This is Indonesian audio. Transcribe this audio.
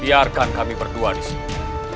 biarkan kami berdua di sini